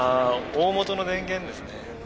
大本の電源ですね。